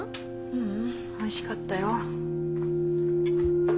ううんおいしかったよ。